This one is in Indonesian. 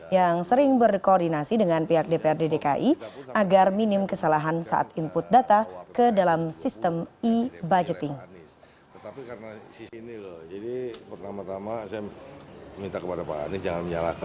yang sering berkoordinasi dengan pihak dprd dki agar minim kesalahan saat input data ke dalam sistem e budgeting